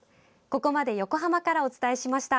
ここまで横浜からお伝えしました。